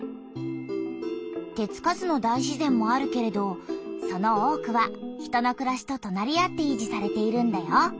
手つかずの大自然もあるけれどその多くは人のくらしととなり合っていじされているんだよ。